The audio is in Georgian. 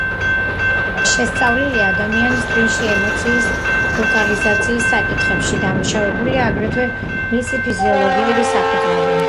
შესწავლილია ადამიანის ტვინში ემოციის ლოკალიზაციის საკითხები, დამუშავებულია აგრეთვე მისი ფიზიოლოგიური საფუძვლები.